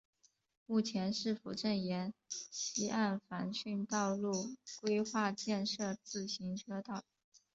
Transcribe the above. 目前市府正沿溪岸防汛道路规划建设自行车道。